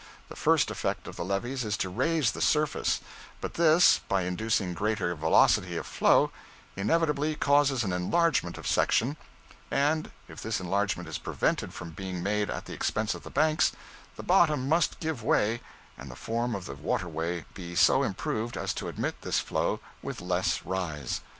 The first effect of the levees is to raise the surface; but this, by inducing greater velocity of flow, inevitably causes an enlargement of section, and if this enlargement is prevented from being made at the expense of the banks, the bottom must give way and the form of the waterway be so improved as to admit this flow with less rise.